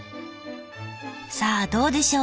さあどうでしょう？